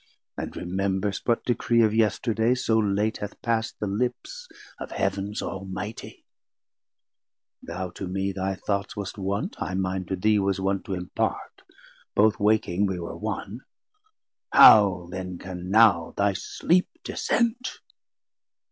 and remembrest what Decree Of yesterday, so late hath past the lips Of Heav'ns Almightie. Thou to me thy thoughts Wast wont, I mine to thee was wont to impart; Both waking we were one; how then can now Thy sleep dissent?